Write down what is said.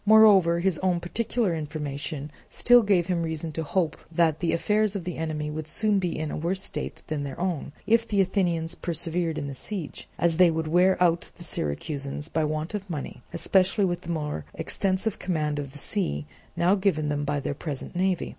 Moreover, his own particular information still gave him reason to hope that the affairs of the enemy would soon be in a worse state than their own, if the Athenians persevered in the siege; as they would wear out the Syracusans by want of money, especially with the more extensive command of the sea now given them by their present navy.